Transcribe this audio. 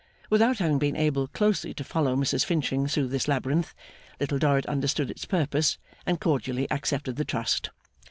Without having been able closely to follow Mrs Finching through this labyrinth, Little Dorrit understood its purpose, and cordially accepted the trust.